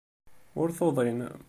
Ur tuḍin.